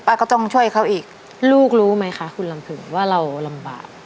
ก็ต้องช่วยเขาอีกลูกรู้ไหมคะคุณลำพึงว่าเราลำบาก